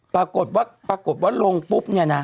ปรากฏว่าปรากฏว่าลงปุ๊บเนี่ยนะ